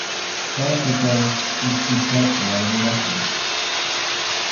Payqa karqan kʼuku chaka warmiraqmi.